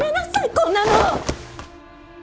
こんなの！